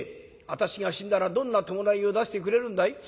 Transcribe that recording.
私が死んだらどんな葬式を出してくれるんだい？」。